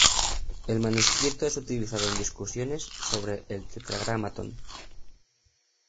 El manuscrito es utilizado en discusiones sobre el Tetragrámaton.